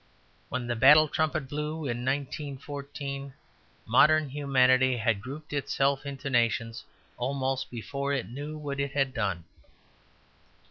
When the battle trumpet blew in 1914 modern humanity had grouped itself into nations almost before it knew what it had done.